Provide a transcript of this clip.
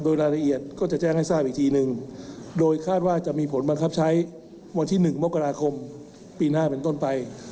โดยรายละเอียดก็จะแจ้งให้ทราบอีกทีหนึ่งโดยคาดว่าจะมีผลบังคับใช้วันที่๑มกราคมปีหน้าเป็นต้นไป